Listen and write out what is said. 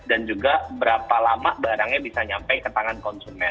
dan juga berapa lama barangnya bisa nyampe ke tangan konsumen